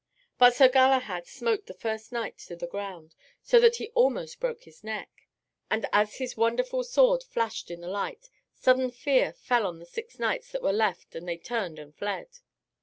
But Sir Galahad smote the first knight to the ground, so that he almost broke his neck. And as his wonderful sword flashed in the light, sudden fear fell on the six knights that were left and they turned and fled.